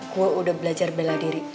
gue udah belajar bela diri